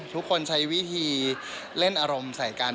ทุกคนใช้วิธีเล่นอารมณ์ใส่กัน